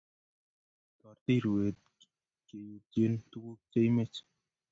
Toritech ruee keyutyen tuguk che imech .